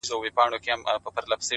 دغه رنگينه او حسينه سپوږمۍ’